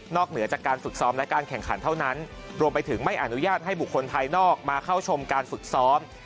เหนือจากการฝึกซ้อมและการแข่งขันเท่านั้นรวมไปถึงไม่อนุญาตให้บุคคลภายนอกมาเข้าชมการฝึกซ้อม